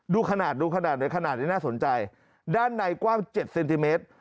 ดูขนาดดูขนาดไหนขนาดนี้น่าสนใจด้านในกว้าง๗เซนติเมตร